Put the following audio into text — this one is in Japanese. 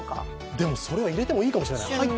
でも、それは入れてもいいかもしれない。